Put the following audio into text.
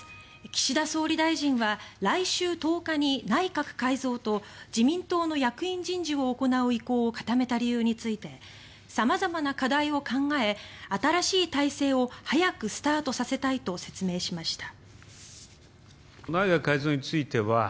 岸田総理大臣は来週１０日に内閣改造と自民党の役員人事を行う意向を固めた理由について様々な課題を考え新しい体制を早くスタートさせたいと説明しました。